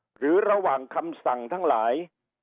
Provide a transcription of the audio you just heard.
หรือระหว่างคำสั่งทั้งหลาย